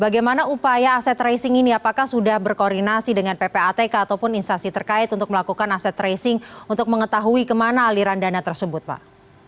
bagaimana upaya aset tracing ini apakah sudah berkoordinasi dengan ppatk ataupun instasi terkait untuk melakukan aset tracing untuk mengetahui kemana aliran dana tersebut pak